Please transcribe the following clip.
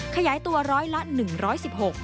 ขยายตัว๑๐๐และ๑๑๖